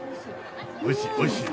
おいしい。